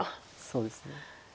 そうですね。